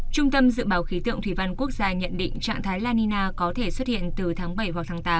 trung tâm dự báo khí tượng thủy văn quốc gia nhận định trạng thái la nina có thể xuất hiện từ tháng bảy hoặc tháng tám